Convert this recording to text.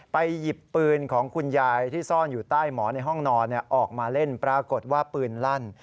หยิบปืนของคุณยายที่ซ่อนอยู่ใต้หมอในห้องนอนออกมาเล่นปรากฏว่าปืนลั่น